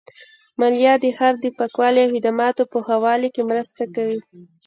مالیه د ښار د پاکوالي او خدماتو په ښه والي کې مرسته کوي.